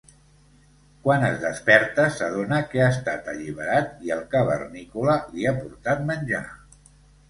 Quan es desperta, s'adona que ha estat alliberat i el cavernícola li ha portat menjar.